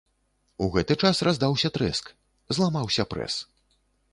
У гэты час раздаўся трэск, зламаўся прэс.